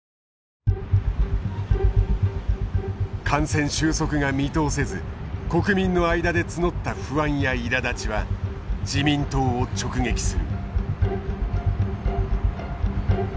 感染収束が見通せず国民の間で募った不安やいらだちは自民党を直撃する。